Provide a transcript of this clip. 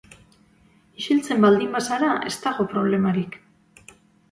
Isiltzen baldin bazara ez dago problemarik.